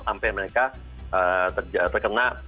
sampai mereka terkena